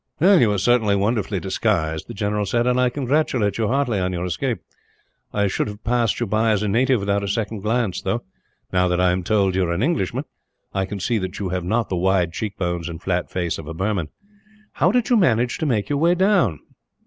"You are certainly wonderfully disguised," the general said; "and I congratulate you heartily on your escape. I should have passed you by as a native without a second glance though, now that I am told that you are an Englishman, I can see that you have not the wide cheekbones and flat face of a Burman. How did you manage to make your way down?"